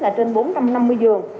là trên bốn trăm năm mươi giường